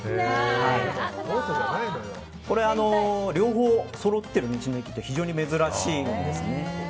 これは両方そろっている道の駅は非常に珍しいんですね。